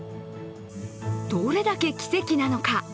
どれだけ奇跡なのか。